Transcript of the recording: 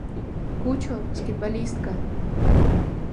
Кучо, баскетболистка!